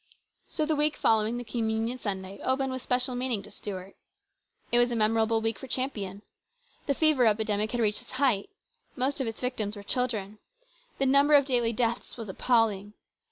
So the week following the communion Sunday opened with special meaning to Stuart. It was a memorable week for Champion. The fever epidemic had reached its height. Most of its victims were children. The number of daily deaths was appalling.